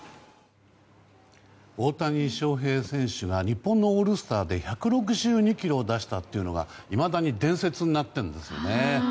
大谷翔平選手は日本のオールスターで１６２キロを出したというのがいまだに伝説になっているんですよね。